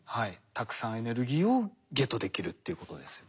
たくさんエネルギーをゲットできるっていうことですよね。